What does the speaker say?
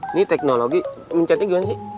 ini teknologi mencari gimana sih